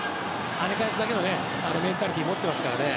はね返すだけのメンタリティーは持っていますから。